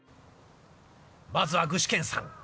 まずは具志堅さん。